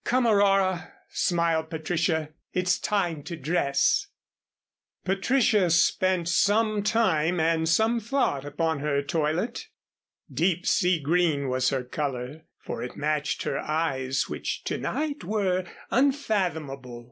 "Come, Aurora," smiled Patricia, "it's time to dress." Patricia spent some time and some thought upon her toilet. Deep sea green was her color, for it matched her eyes, which to night were unfathomable.